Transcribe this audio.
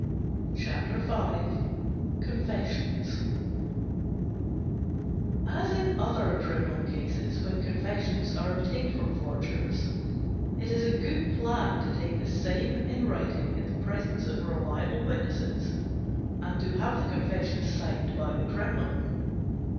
CHAPTER V CONFESSIONS As in other criminal cases, when confessions are obtained from forgers, it is a good plan to take the same in writing in the presence of reliable witnesses, and to have the confession signed by the criminal.